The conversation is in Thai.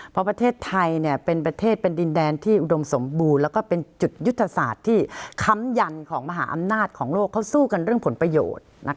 เพราะประเทศไทยเป็นประเทศเป็นดินแดนที่อุดมสมบูรณ์แล้วก็เป็นจุดยุทธศาสตร์ที่ค้ำยันของมหาอำนาจของโลกเขาสู้กันเรื่องผลประโยชน์